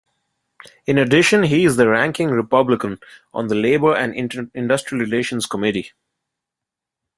In addition, he is the ranking Republican on the Labor and Industrial Relations Committee.